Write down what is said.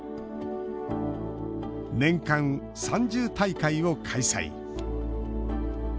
「年間３０大会を開催」。